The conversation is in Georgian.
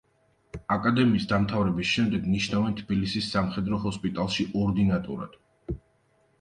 აკადემიის დამთავრების შემდეგ ნიშნავენ თბილისის სამხედრო ჰოსპიტალში ორდინატორად.